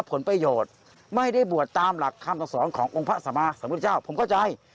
ผมเข้าใจ